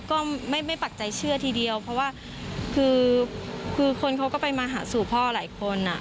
ก็ไม่ปักใจเชื่อทีเดียวเพราะว่าคือคนเขาก็ไปมาหาสู่พ่อหลายคนอ่ะ